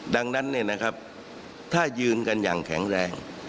ดังนั้นเนี่ยนะครับถ้ายืนกันอย่างแข็งแรง